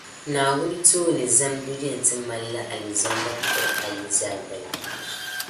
Naawuni tooni zanibu yɛn ti malila Alizanda puri ayi Zaadali.